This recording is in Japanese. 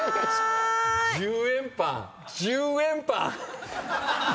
「１０円パン」「１０円パン」！